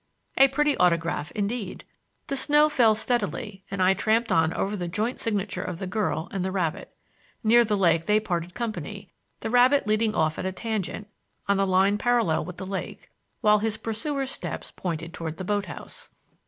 A pretty autograph, indeed! The snow fell steadily and I tramped on over the joint signature of the girl and the rabbit. Near the lake they parted company, the rabbit leading off at a tangent, on a line parallel with the lake, while his pursuer's steps pointed toward the boat house.